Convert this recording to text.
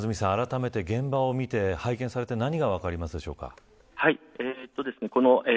稲積さん、あらためて現場を拝見されて何が分かりますでしょうか。